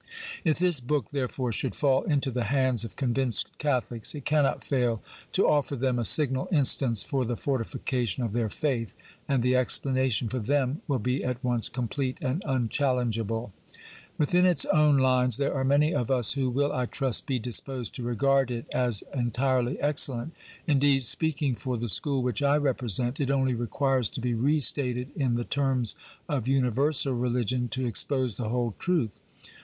If this book, therefore, should i'all into the hands of convinced Catholics, it cannot fail to ofiTer them a signal instance for the fortifi cation of their faith, and the explanation for them will be at once complete and unchallengeable. Within its own lines there are many of us who will, I trust, be disposed to regard it as entirely excellent. Indeed, speaking for the school which I represent, it only requires to be restated in the terms of universal religion to expose the whole truth.